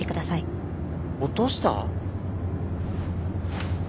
落とした！？